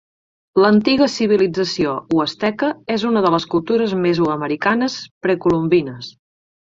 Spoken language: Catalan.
L'antiga civilització huasteca és una de les cultures mesoamericanes precolombines.